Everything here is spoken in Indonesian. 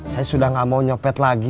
saya sudah gak mau nyopet lagi